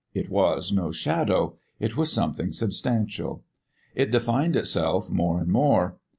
It was no shadow; it was something substantial. It defined itself more and more.